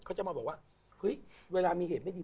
เค้าจะมาบอกเค้าบอกว่าไปรเวลามีเหตุไม่ดี